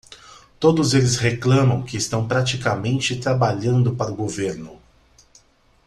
Todos eles reclamam que estão praticamente trabalhando para o governo.